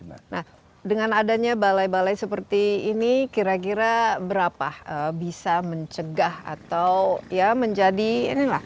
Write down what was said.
nah dengan adanya balai balai seperti ini kira kira berapa bisa mencegah atau ya menjadi inilah